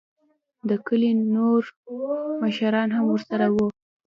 دکلي نوور مشران هم ورسره وو.